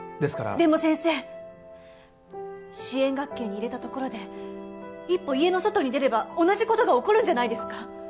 でも先生支援学級に入れたところで一歩家の外に出れば同じ事が起こるんじゃないですか？